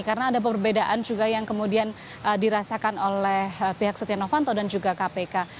karena ada perbedaan juga yang kemudian dirasakan oleh pihak setia novanto dan juga kpk